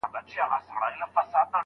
د ښادي د ځواني میني دلارام سو